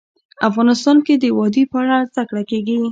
افغانستان کې د وادي په اړه زده کړه کېږي.